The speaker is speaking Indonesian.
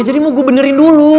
jadi mau gue benerin dulu